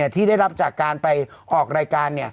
ที่ได้รับจากการไปออกรายการ